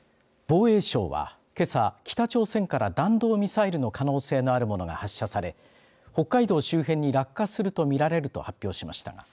防衛省は、けさ北朝鮮から弾道ミサイルの可能性のあるものが発射され北海道周辺に落下するとみられると発表しました。